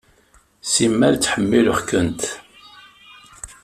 Simmal ttḥemmileɣ-kent.